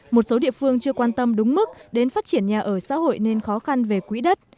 một số địa phương chưa quan tâm đúng mức đến phát triển nhà ở xã hội nên khó khăn về quỹ đất